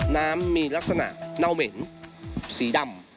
น้ำมีลักษณะเน่าเหม็นสีดำ